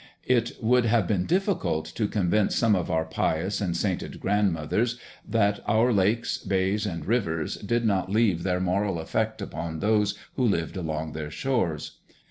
It would have been difficult to convince some of our pious and sainted grandmothers that our lakes, bays, and rivers did not leave their moral effect upon those who lived along their shores.